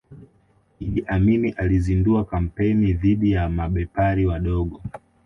Idi Amin alizindua kampeni dhidi ya mabepari wadogo